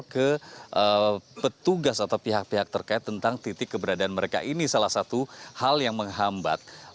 jadi petugas atau pihak pihak terkait tentang titik keberadaan mereka ini salah satu hal yang menghambat